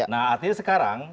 nah artinya sekarang